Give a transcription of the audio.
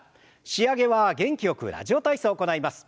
仕上げは元気よく「ラジオ体操」を行います。